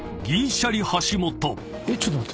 ちょっと待って。